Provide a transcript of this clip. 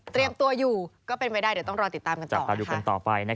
เตรียมตัวอยู่ก็เป็นไปได้เดี๋ยวต้องรอติดตามกันต่อ